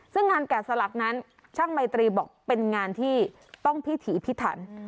ซึ่งงานแกะสลักนั้นช่างไมตรีบอกเป็นงานที่ต้องพิถีพิถัน